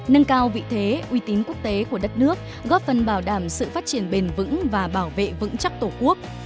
nâng cao vị thế uy tín quốc tế của đất nước góp phần bảo đảm sự phát triển bền vững và bảo vệ vững chắc tổ quốc